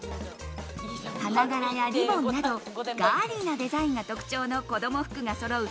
花柄やリボンなど、ガーリーなデザインが特徴の子供服がそろう